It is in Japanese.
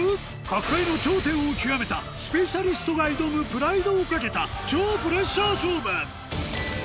各界の頂点を極めたスペシャリストが挑むプライドを懸けた超プレッシャー勝負